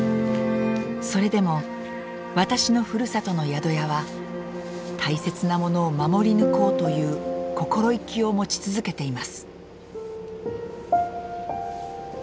それでも私のふるさとの宿屋は大切なものを守り抜こうという心意気を持ち続けています。